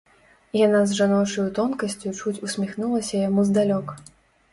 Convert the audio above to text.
Яна з жаночаю тонкасцю чуць усміхнулася яму здалёк.